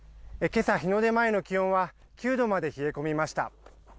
けさ日の出前の気温は、９度まで冷え込みました。